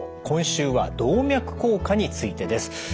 今週は動脈硬化についてです。